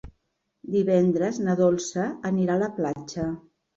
Divendres na Dolça anirà a la platja.